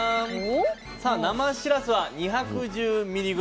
さあ生しらすは２１０ｍｇ。